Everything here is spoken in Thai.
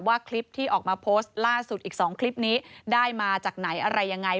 คลิปที่ออกมาโพสต์ล่าสุดอีก๒คลิปนี้ได้มาจากไหนอะไรยังไง